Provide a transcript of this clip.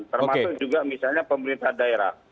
termasuk juga misalnya pemerintah daerah